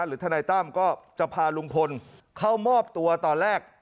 ทนายตั้มก็จะพาลุงพลเข้ามอบตัวตอนแรก